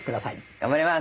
頑張ります！